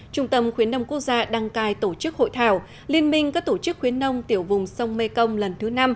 trung tâm khuyến nông quốc gia đăng cai tổ chức hội thảo liên minh các tổ chức khuyến nông tiểu vùng sông mekong lần thứ năm